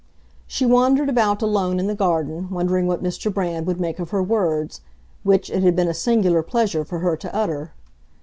She wandered about alone in the garden wondering what Mr. Brand would make of her words, which it had been a singular pleasure for her to utter.